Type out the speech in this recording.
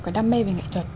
có đam mê về nghệ thuật